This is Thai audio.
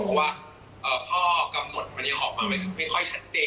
เพราะว่าข้อกำหนดมันยังออกมาไม่ค่อยชัดเจน